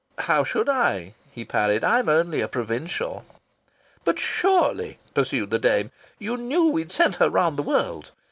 "How should I?" he parried. "I'm only a provincial." "But surely," pursued the dame, "you knew we'd sent her round the world.